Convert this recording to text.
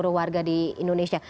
seluruh warga di indonesia